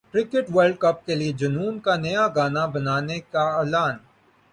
cricket world cup کے لیے جنون کا نیا گانا بنانے کا اعلان